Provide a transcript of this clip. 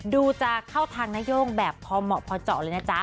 ดูจะเข้าทางนโย่งแบบพอเหมาะพอเจาะเลยนะจ๊ะ